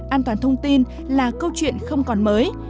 an toàn thông tin là câu chuyện không còn mới